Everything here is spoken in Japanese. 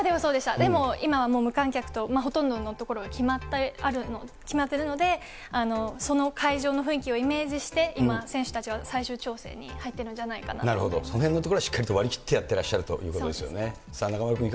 でも、今はもう無観客と、ほとんどの所が決まっているので、その会場の雰囲気をイメージして、今、選手たちは最終調整に入ってそのへんのところはしっかりと割り切ってやってらっしゃるということですよね。